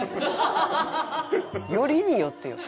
よりによってよ。